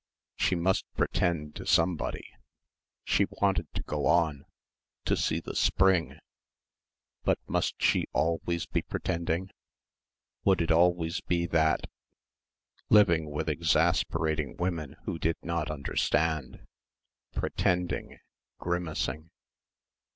She must pretend to somebody. She wanted to go on, to see the spring. But must she always be pretending? Would it always be that ... living with exasperating women who did not understand ... pretending ... grimacing?...